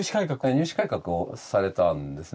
入試改革をされたんですね。